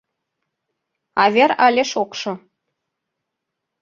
А вер але шокшо.